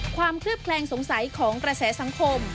เคลือบแคลงสงสัยของกระแสสังคม